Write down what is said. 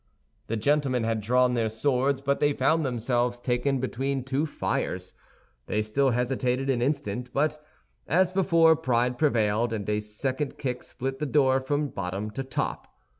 The gentlemen had drawn their swords, but they found themselves taken between two fires. They still hesitated an instant; but, as before, pride prevailed, and a second kick split the door from bottom to top.